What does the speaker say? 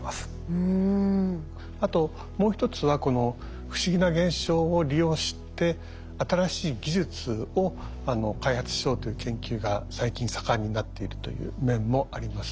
あともう１つはこの不思議な現象を利用して新しい技術を開発しようという研究が最近盛んになっているという面もあります。